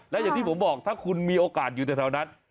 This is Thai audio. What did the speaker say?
และอย่างที่ผมบอกถ้าคุณมีโอกาสอยู่แถวนั้น